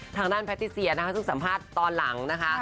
ทางด้านแพทติเซียนะคะซึ่งสัมภาษณ์ตอนหลังนะคะ